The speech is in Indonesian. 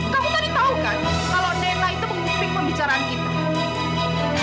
kamu tadi tahu kan kalau nella itu mengupik pembicaraan kita